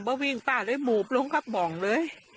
เราเลยหลงไปบ่องเลย